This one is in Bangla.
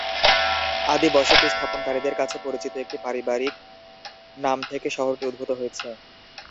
আদি বসতি স্থাপনকারীদের কাছে পরিচিত একটি পারিবারিক নাম থেকে শহরটি উদ্ভূত হয়েছে।